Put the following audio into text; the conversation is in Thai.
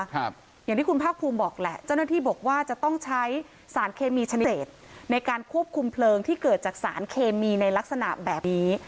อย่างที่คุณภาคภูมิบอกแหละเจ้าหน้าที่บอกว่าจะต้องใช้สารเคมีชนเศษในการควบคุมเพลิงที่เกิดจากสารเคมีในลักษณะแบบนี้